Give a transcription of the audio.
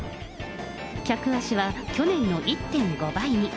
客足は去年の１．５倍に。